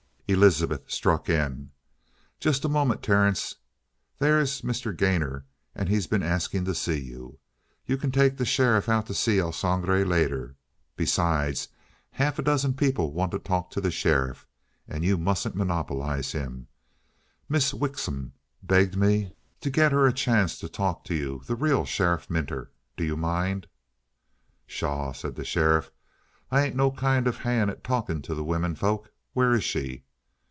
Elizabeth struck in. "Just a moment, Terence. There's Mr. Gainor, and he's been asking to see you. You can take the sheriff out to see El Sangre later. Besides, half a dozen people want to talk to the sheriff, and you mustn't monopolize him. Miss Wickson begged me to get her a chance to talk to you the real Sheriff Minter. Do you mind?" "Pshaw," said the sheriff. "I ain't no kind of a hand at talking to the womenfolk. Where is she?"